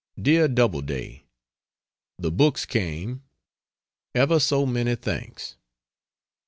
DEAR DOUBLEDAY, The books came ever so many thanks.